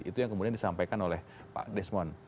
itu yang kemudian disampaikan oleh pak desmond